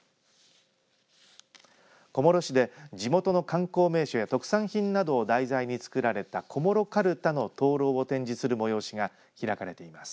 小諸市で地元の観光名所や特産品などを題材に作られた小諸かるたの灯籠を展示する催しが開かれています。